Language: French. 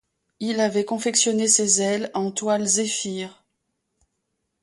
Il avait confectionné ses ailes en toile zéphyr.